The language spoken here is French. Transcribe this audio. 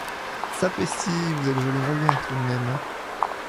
Sapristi, vous êtes joliment bien, tout de même!